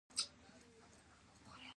ایا زه باید د رحم عملیات وکړم؟